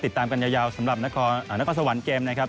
ติดตามกันยาวสำหรับนครสวรรค์เกมนะครับ